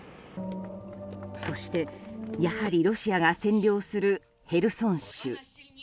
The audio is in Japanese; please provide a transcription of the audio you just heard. そして、やはりロシアが占領するヘルソン州。